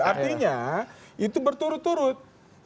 artinya itu berturut turut